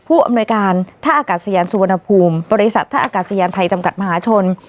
อำนวยการท่าอากาศยานสุวรรณภูมิบริษัทท่าอากาศยานไทยจำกัดมหาชน